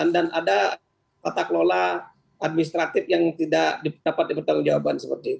dan ada tata kelola administratif yang tidak dapat dipertanggungjawabkan